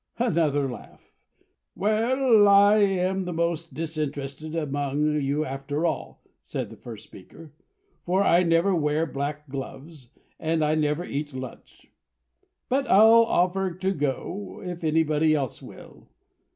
Another laugh. "Well, I am the most disinterested among you, after all," said the first speaker, "for I never wear black gloves, and I never eat lunch. But I'll offer to go, if anybody else will.